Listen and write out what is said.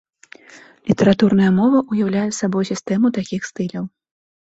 Літаратурная мова уяўляе сабой сістэму такіх стыляў.